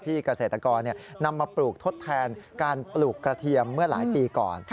เกษตรกรนำมาปลูกทดแทนการปลูกกระเทียมเมื่อหลายปีก่อน